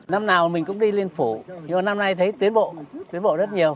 năm nào mình cũng đi lên phủ nhưng mà năm nay thấy tiến bộ tiến bộ rất nhiều